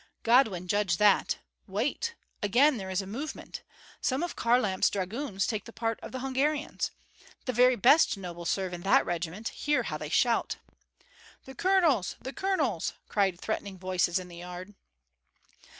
"God will judge that. Wait! Again there is a movement! Some of Kharlamp's dragoons take the part of the Hungarians. The very best nobles serve in that regiment. Hear how they shout!" "The colonels! the colonels!" cried threatening voices in the yard.